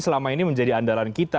selama ini menjadi andalan kita